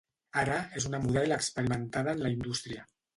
Ara, és una model experimentada en la indústria.